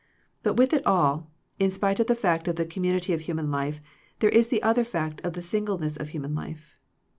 But with it all, in spite of the fact of the community of human life, there is the other fact of the singleness of human life.